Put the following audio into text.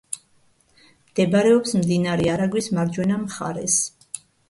მდებარეობს მდინარე არაგვის მარჯვენა მხარეს.